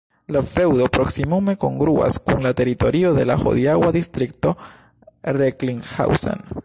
La feŭdo proksimume kongruas kun la teritorio de la hodiaŭa distrikto Recklinghausen.